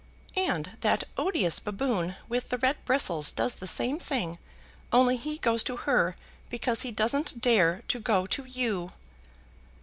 "And that odious baboon with the red bristles does the same thing, only he goes to her because he doesn't dare to go to you."